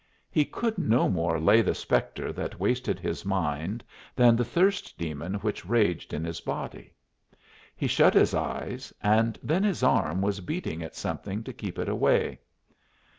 He could no more lay the spectre that wasted his mind than the thirst demon which raged in his body. He shut his eyes, and then his arm was beating at something to keep it away.